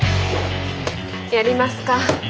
やりますか。